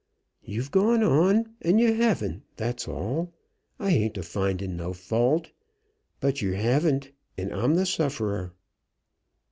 "You've gone on and you haven't, that's all. I ain't a finding no fault. But you haven't, and I'm the sufferer."